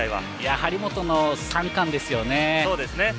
張本の三冠ですよね。